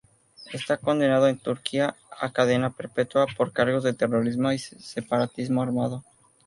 Está condenado en Turquía a cadena perpetua por cargos de terrorismo y separatismo armado.